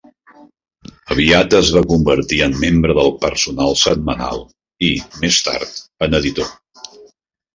Aviat es va convertir en membre del personal setmanal y, més tard, en editor.